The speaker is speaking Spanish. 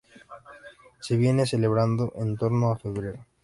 Se vienen celebrando en torno a febrero.